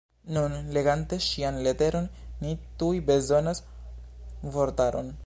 Nun, legante ŝian leteron ni tuj bezonas vortaron.